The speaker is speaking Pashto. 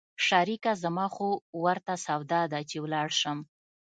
شريکه زما خو ورته سودا ده چې ولاړ سم.